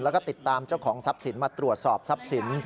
แล้วก็ติดตามเจ้าของทรัพย์สินมาตรวจสอบทรัพย์สิน